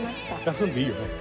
休んでいいよね。